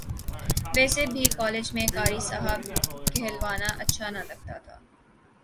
ویسے بھی کالج میں قاری صاحب کہلوانا اچھا نہ لگتا تھا